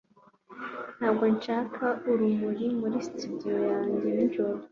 Ntabwo ncana urumuri muri studio yanjye nijoro